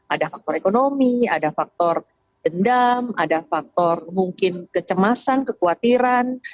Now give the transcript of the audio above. ada faktor ekonomi ada faktor dendam ada faktor mungkin kecemasan kekhawatiran